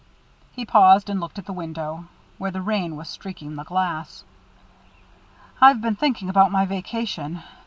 He paused and looked at the window, where the rain was streaking the glass. "I've been thinking about my vacation.